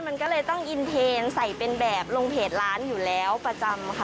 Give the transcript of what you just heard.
มันก็เลยต้องอินเทนใส่เป็นแบบลงเพจร้านอยู่แล้วประจำค่ะ